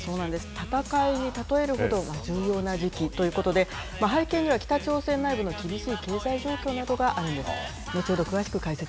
戦いに例えるほど重要な時期ということで、背景には北朝鮮内部の厳しい経済状況などがあるんです。